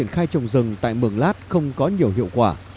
khai trồng rừng tại mường lát không có nhiều hiệu quả